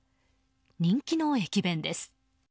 人気の駅弁です。